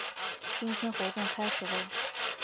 今天活动开始啰！